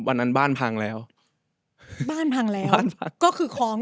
แม่ก็เลยบอกให้ไปหาหมอลูก